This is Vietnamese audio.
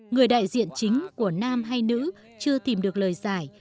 người đại diện chính của nam hay nữ chưa tìm được lời giải